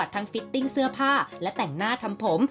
ฟิตติ้งเสื้อผ้าและแต่งหน้าทำผม